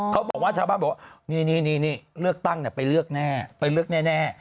เขาบอกว่าชาบ้านเลือกตั้งไปเลือกแน่